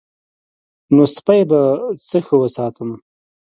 نو سپی به څه ښه وساتم.